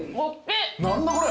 何だこれ。